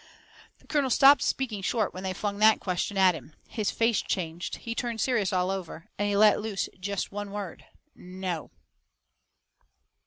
The colonel stopped speaking short when they flung that question at him. His face changed. He turned serious all over. And he let loose jest one word: "NO!"